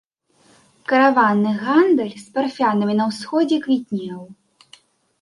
Караванны гандаль з парфянамі на ўсходзе квітнеў.